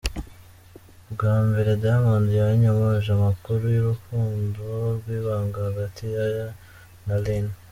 Bwa mbere, Diamond yanyomoje amakuru y’urukundo rw’ibanga hagati ye na Lynn.